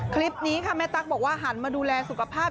คลิปนี้ค่ะแม่ตั๊กบอกว่าหันมาดูแลสุขภาพ